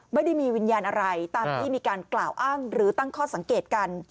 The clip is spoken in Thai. ไม่ได้มีวิญญาณอะไรตามที่มีการกล่าวอ้างหรือตั้งข้อสังเกตกัน